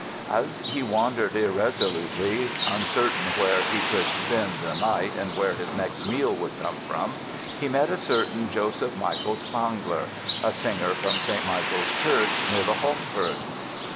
As he wandered irresolutely, uncertain where he could spend the night and where his next meal would come from, he met a certain Joseph Michael Spangler, a singer from St. Michael's Church, near the Hofburg.